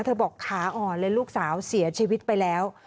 บอกขาอ่อนเลยลูกสาวเสียชีวิตไปแล้ว